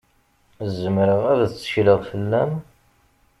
Zemreɣ ad tekkleɣ fell-am?